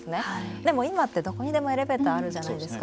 でも今ってどこにでもエレベーターがあるじゃないですか。